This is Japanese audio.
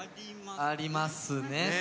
ありますね。